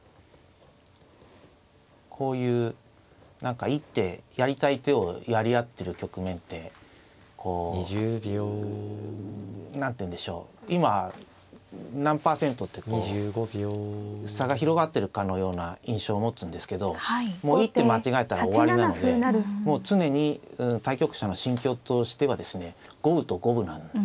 こういう何か一手やりたい手をやり合ってる局面ってこう何ていうんでしょう今何％ってこう差が広がってるかのような印象を持つんですけどもう一手間違えたら終わりなのでもう常に対局者の心境としてはですね五分と五分なんですね。